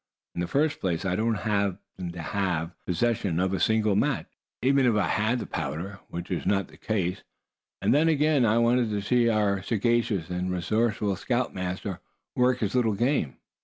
"In the first place I don't happen to possess a single match, even if I had the powder, which is not the case. And then again, I want to see how our sagacious and resourceful scoutmaster works his little game."